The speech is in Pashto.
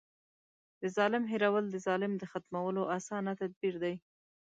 د ظالم هېرول د ظلم د ختمولو اسانه تدبير دی.